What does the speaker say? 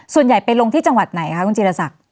ส่วนใหญ่ไปลงที่จังหวัดไหนคะคุณจีรศักดิ์